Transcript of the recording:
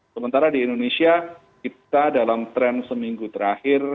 sementara di indonesia kita dalam tren seminggu terakhir